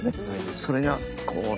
それがこうね